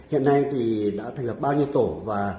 hiện nay thì đã thành lập bao nhiêu tổ và